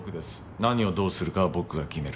何をどうするかは僕が決める。